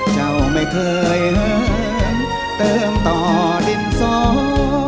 เจ้าไม่เคยเหินเติมต่อดินสอ